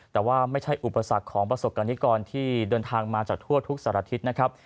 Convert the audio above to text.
แต่ว่าไม่ใช่อุปสรรคของประสบกรณิกรที่เดินทางมาจากทั่วทุกสารทิศนะครับ